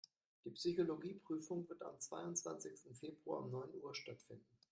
Die Psychologie-Prüfung wird am zweiundzwanzigsten Februar um neun Uhr stattfinden.